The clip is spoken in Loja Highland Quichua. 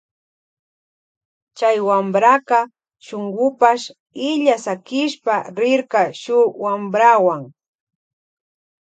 Chay wampraka shungupash illa sakishpa rirka shuk wamprawuan.